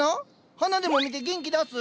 花でも見て元気出す？